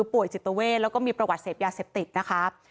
ป่วยจิตเวทแล้วก็มีประวัติเสพยาเสพติดนะคะ